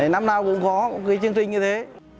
năm nào cũng có cái chương trình như thế